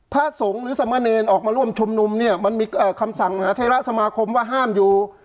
พระสงฆ์หรือสมเนรออกมาร่วมชุมนุมเนี่ยมันมีคำสั่งมหาเทราสมาคมว่าห้ามอยู่